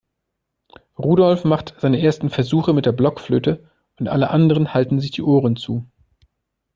Rudolf macht seine ersten Versuche mit der Blockflöte und alle anderen halten sich die Ohren zu.